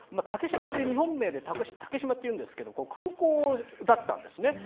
日本名で竹島というんですけど、空港だったんですね。